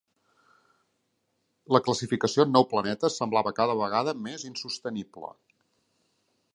La classificació en nou planetes semblava cada vegada més insostenible.